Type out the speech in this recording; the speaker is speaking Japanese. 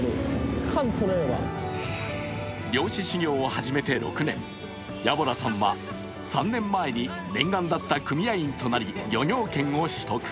漁師修行を始めて６年、家洞さんは３年前に念願だった組合員となり漁業権を取得。